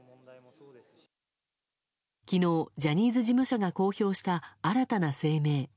昨日ジャニーズ事務所が公表した新たな声明。